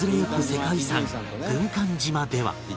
世界遺産軍艦島では